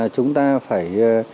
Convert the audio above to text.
chúng ta phải